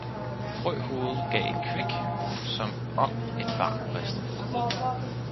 Frøhovedet gav et Qvæk, som om et Barn brister i Graad.